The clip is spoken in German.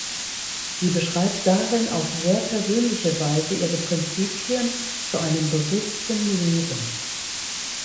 Sie beschreibt darin auf sehr persönliche Weise ihre Prinzipien zu einem bewussten Leben.